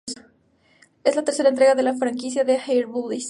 Es la tercera entrega de la franquicia de "Air Buddies".